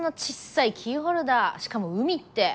しかも海って。